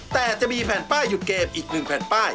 แต่จะมีแผ่นป้ายหยุดเกมอีก๑แผ่นป้าย